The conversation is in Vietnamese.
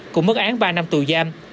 cũng mất án ba năm tù giam